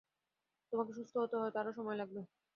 তোমাকে সুস্থ হতে হয়তো আরো সময় লাগবে।